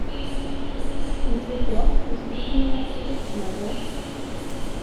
Inte vet jag, du skulle kunna vara styckmördare?